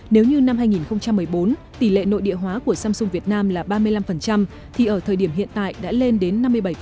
nếu như năm hai nghìn một mươi bốn tỷ lệ nội địa hóa của samsung việt nam là ba mươi năm thì ở thời điểm hiện tại đã lên đến năm mươi bảy